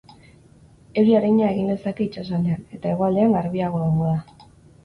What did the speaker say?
Euri arina egin lezake itsasaldean, eta hegoaldean garbiago egongo da.